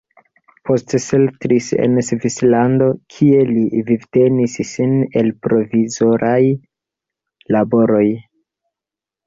Poste setlis en Svislando, kie li vivtenis sin el provizoraj laboroj.